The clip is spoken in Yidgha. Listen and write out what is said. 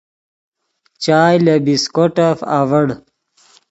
چائے لے بسکوٹف آڤڑ